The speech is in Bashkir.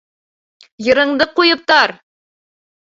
Йырыңды ҡуйып тар!